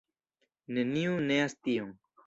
Neniu neas tion.